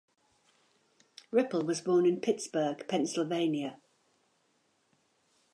Ripple was born in Pittsburgh, Pennsylvania.